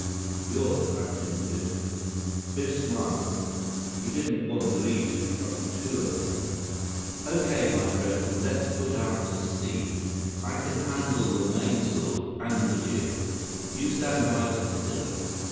"You're the captain, Biff." Biff smiled. He didn't want Li to become too alarmed. 109 "Okay, my friend. Let's put out to sea. I can handle the mainsail and the jib. You stand by the tiller.